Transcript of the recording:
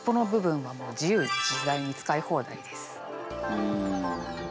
うん。